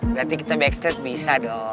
berarti kita backstate bisa dong